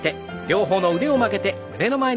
両方の腕を曲げて胸の前。